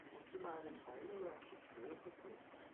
Hast du mal eine Feile oder ein Stück Schmirgelpapier?